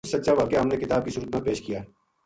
کُجھ سچا واقعہ ہم نے کتا ب کی صورت ما پیش کیا